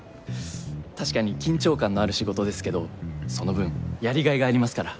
確かに緊張感のある仕事ですけどその分やりがいがありますから。